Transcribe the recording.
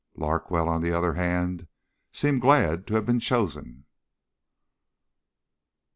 Larkwell, on the other hand, seemed glad to have been chosen.